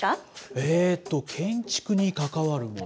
えーと、建築に関わるもの？